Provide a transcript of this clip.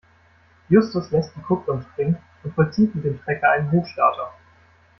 Justus lässt die Kupplung springen und vollzieht mit dem Trecker einen Hochstarter.